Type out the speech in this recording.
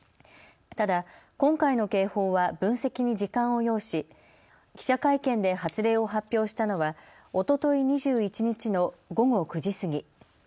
ただ今回の警報は分析に時間を要し記者会見で発令を発表したのはおととい２１日の午後９時過ぎ。